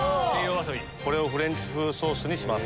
これをフレンチ風ソースにします。